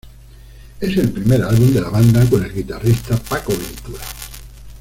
Es el primer álbum de la banda con el guitarrista Paco Ventura.